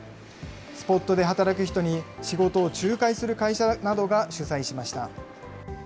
スポットで働く人に、仕事を仲介する会社などが主催しました。